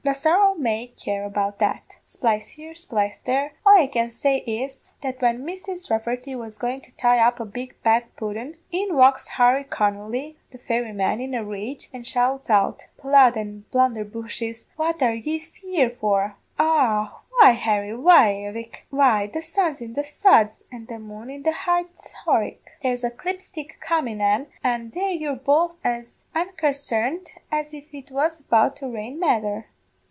The sorrow may care about that splice here splice there all I can say is, that when Mrs. Rafferty was goin' to tie up a big bag pudden, in walks Harry Connolly, the fairy man, in a rage, and shouts out, 'Blood and blunderbushes, what are yez here for?' "'Arrah why, Harry? Why, avick?' "'Why, the sun's in the suds and the moon in the high Horicks; there's a clipstick comin' an, an' there you're both as unconsarned as if it was about to rain mether.